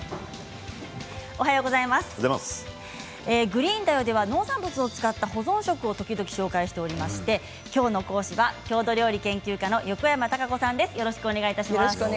グリーンだよ」では農産物を使った保存食を時々紹介していまして、きょうの講師は郷土料理研究家の横山タカ子さんです。